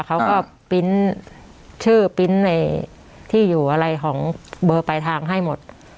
เขาก็ปริ้นที่อยู่อะไรของเบอร์ปลายทางให้หมด